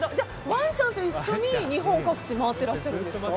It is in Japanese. ワンちゃんと一緒に日本各地を回ってるんですか？